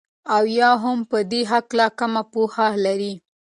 او يا هم په دي هكله كمه پوهه لري